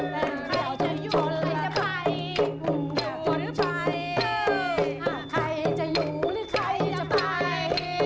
คุณอยู่หรือไปใครจะอยู่หรือใครจะไป